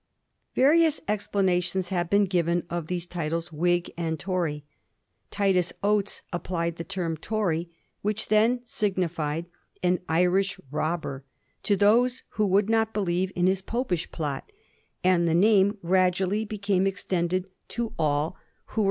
Various explanations have been given of these titles Whig and Tory. Titus Oates applied the term *Tory,' which then signified an Irish robber, to those who would not believe in his Popish plot, and the name gradually became extended to all who were Digiti zed by Google 22 A HISTORY OF THE FOUR GEORGES. oh.